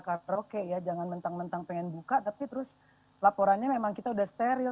karaoke ya jangan mentang mentang pengen buka tapi terus laporannya memang kita udah steril